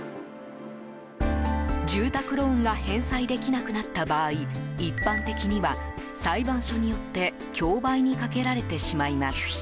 住宅ローンが返済できなくなった場合一般的には、裁判所によって競売にかけられてしまいます。